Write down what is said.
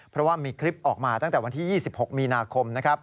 เพราะว่ามีคลิปออกมาตั้งแต่วันที่๒๖มีนาคม